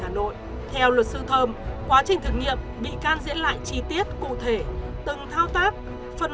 hà nội theo luật sư thơm quá trình thử nghiệm bị can diễn lại chi tiết cụ thể từng thao tác phần